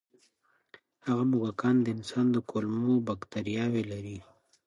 هغه موږکان د انسان د کولمو بکتریاوې لري.